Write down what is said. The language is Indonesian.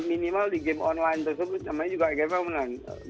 minimal di game online tersebut namanya juga kayak apa menurut saya